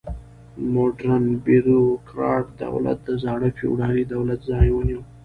موډرن بیروکراټ دولت د زاړه فیوډالي دولت ځای ونیو.